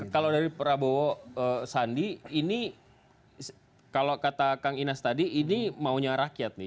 kalau dari prabowo sandi ini kalau kata kang inas tadi ini maunya rakyat nih